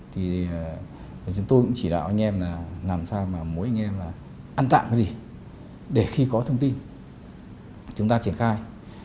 thì chúng tôi cũng chỉ đạo anh em là làm sao mà mỗi anh em là ăn tạm cái gì để khi có thông tin chúng ta triển khai